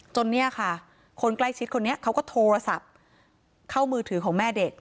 เนี่ยค่ะคนใกล้ชิดคนนี้เขาก็โทรศัพท์เข้ามือถือของแม่เด็ก